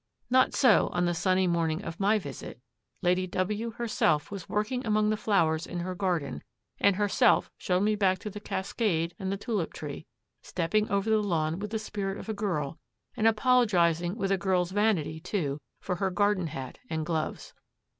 Not so on the sunny morning of my visit. Lady W herself was working among the flowers in her garden, and herself showed me back to the cascade and the tulip tree, stepping over the lawn with the spirit of a girl, and apologizing with a girl's vanity, too, for her garden hat and gloves.